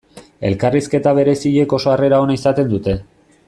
Elkarrizketa bereziek oso harrera ona izaten dute.